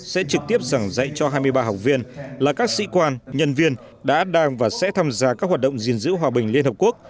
sẽ trực tiếp giảng dạy cho hai mươi ba học viên là các sĩ quan nhân viên đã đang và sẽ tham gia các hoạt động gìn giữ hòa bình liên hợp quốc